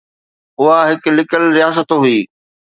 اُها هڪ لڪل رياست هئي.